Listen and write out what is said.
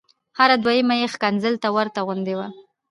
هره دویمه یې ښکنځل ته ورته غوندې وه.